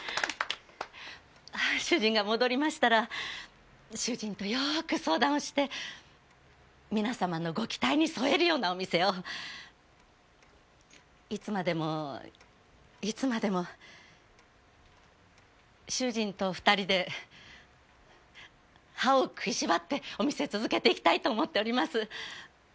主人が戻りましたら主人とよーく相談をして皆様のご期待にそえるようなお店をいつまでもいつまでも主人と２人で歯を食いしばってお店を続けていきたいと思っております。